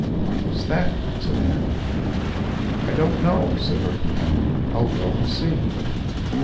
'What was that?' said Anne. 'I don't know,' said her companion. 'I'll go and see.'